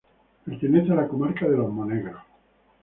Pertenece a la comarca de los Monegros.